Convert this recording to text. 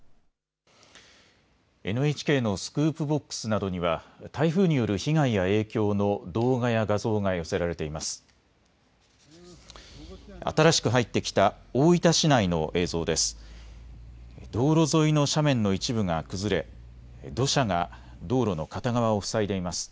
ＮＨＫのスクープボックスなどには台風による被害や影響の動画や画像が寄せられています。